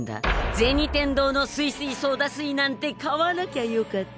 「銭天堂のすいすいソーダ水なんて買わなきゃよかった！」